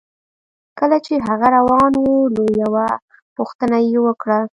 کله چې هغه روان و نو یوه پوښتنه یې وکړه